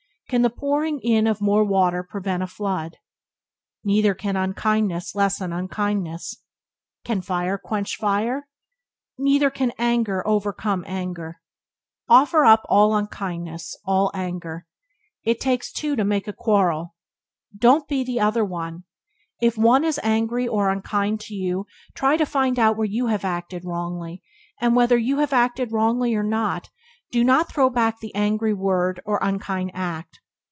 Can the pouring in of more water prevent a flood? Neither can unkindness lessen unkindness. Can fire quench fire? Neither can anger overcome anger. Byways to Blessedness by James Allen 24 Offer up all unkindness, all anger. "It takes two to make a quarrel;" don't be the "other one." If one is angry or unkind to you try to find out where you have acted wrongly; and, whether you have acted wrongly or not, do not throw back the angry word or unkind act.